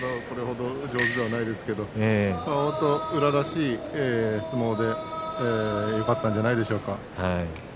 これほど上手ではありませんけれど宇良らしい相撲でよかったんじゃないでしょうか。